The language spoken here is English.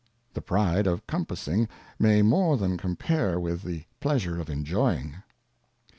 The Pride of Compassing may more than compare with the Pleasure of Enjoying.